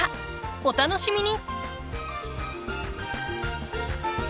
お楽しみに！